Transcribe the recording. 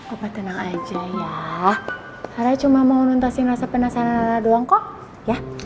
opa tenang aja ya sarah cuma mau nuntaskan rasa penasaran aja doang kok ya